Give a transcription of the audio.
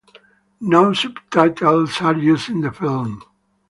No subtitles are used in the film.